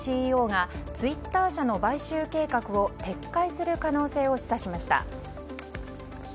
ＣＥＯがツイッター社の買収計画を撤回する可能性を示唆しました。